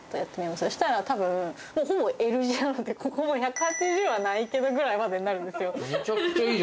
そうしたら多分もうほぼＬ字なのでここも１８０はないけどぐらいまでになるんですよ